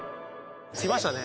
着きましたね。